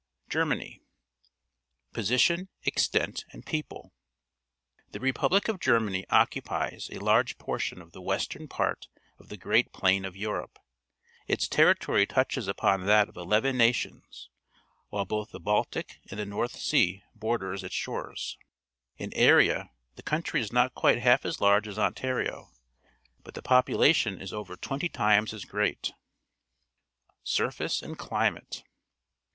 GERMANY tCt/^ Position, Extent, and People. — The repub lic of Germany occupies a large portion of the western part of the great plain of Europe. Its territory touches upon that of eleven The Shipyards at Bremen, Germany nations, while both the B altic and Ihe JCmJJi (SeaJiorderJts shores. In area the countiy is not quite half as large as Ontario, but the population is over twenty times as great. Surface and Climate.